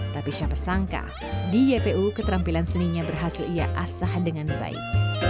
tapi siapa sangka di ypu keterampilan seninya berhasil ia asah dengan baik